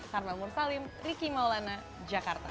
karmel mursalim riki maulana jakarta